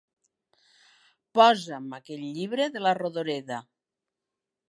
Posa'm aquell llibre de la Rodoreda.